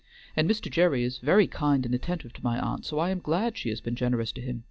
"And Mr. Gerry is very kind and attentive to my aunt, so I am glad she has been generous to him.